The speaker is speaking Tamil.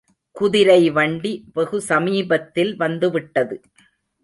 குதிரை வண்டி வெகுசமீபத்தில் வந்துவிட்டது.